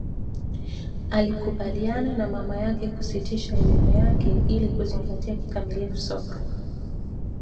alikubaliana na mama yake kusitisha elimu yake ili kuzingatia kikamilifu soka